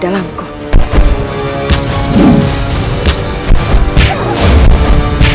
dia mampu mengimbangi jurus jurus hal ini